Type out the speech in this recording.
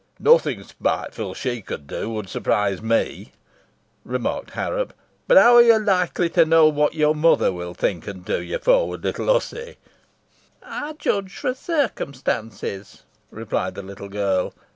"Nothing spiteful she could do would surprise me," remarked Harrop. "But how are you likely to know what your mother will think and do, you forward little hussy?" "Ey judge fro circumstances," replied the little girl.